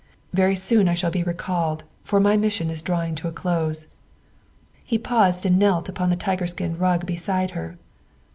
Very soon I shall be recalled, for my mission is drawing to a close. '' He paused and knelt upon the tiger skin rug beside her.